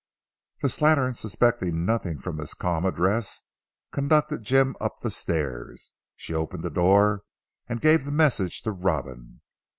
The slattern suspecting nothing from this calm address conducted Jim up the stairs. She opened a door and gave the message to Robin.